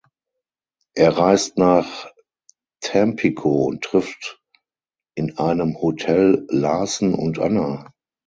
Er reist nach Tampico und trifft in einem Hotel „Larsen“ und Anna.